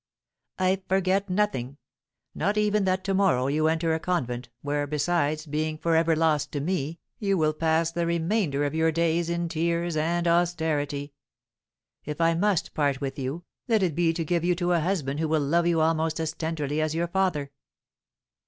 "I forget nothing, not even that to morrow you enter a convent, where, besides, being for ever lost to me, you will pass the remainder of your days in tears and austerity. If I must part with you, let it be to give you to a husband who will love you almost as tenderly as your father."